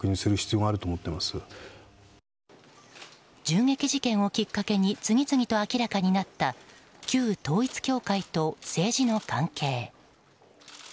銃撃事件をきっかけに次々と明らかになった旧統一教会と政治の関係。